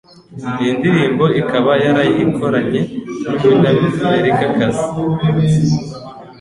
Iyi ndirimbo akaba yarayikoranye n'Umunyamerikakazi